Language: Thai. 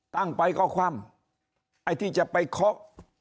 ตั้งไปก็ความไอ้ที่จะไปค็อก